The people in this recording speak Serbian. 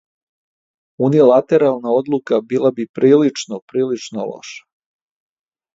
Унилатерална одлука била би прилично, прилично лоша.